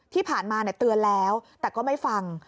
ที่ผ่านมาเตือนแล้วแต่ก็ไม่ฟัง